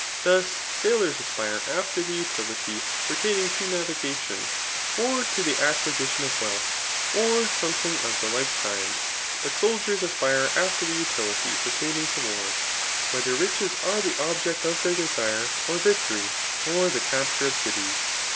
Thus, sailors aspire after the utility pert&iniAg to nsli^ga tion, or to the acquisition of wealth, or sometRflig i^^e like kind ; but soldiers aspire after the utiHty ]|»ertaftiRg to war, whether riches are the object of their Vferirej ^or victory, or the capture of cities.